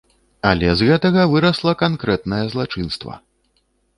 Але з гэтага вырасла канкрэтнае злачынства.